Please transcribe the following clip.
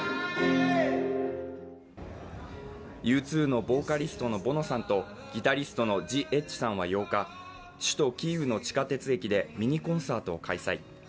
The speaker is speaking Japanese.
Ｕ２のボーカリストのボノさんとギタリストのジ・エッジさんは８日、首都キーウの地下鉄駅でミニコンサートを開催。